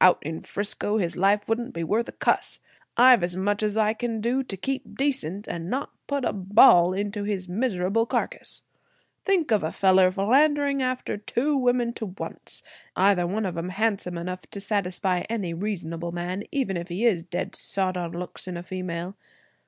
Out in 'Frisco his life wouldn't be worth a cuss. I've as much as I can do to keep decent and not put a ball into his miserable carcass. Think of a feller philandering after two women to once, either of them handsome enough to satisfy any reasonable man even if he is dead sot on looks in a female.